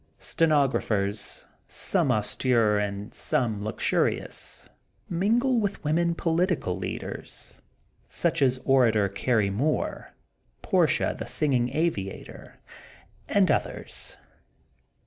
Stenographers, some austere and some luxurious, mingle with women poUtical leaders, such as Orator Carrie Moore, Portia, the Singing Aviator, and others.